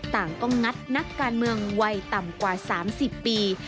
ต่างก็งัดนักการเมืองวัยต่ำกว่า๓๐ปี